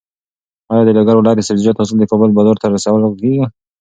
ایا د لوګر ولایت د سبزیجاتو حاصلات د کابل بازار ته رسول کېږي؟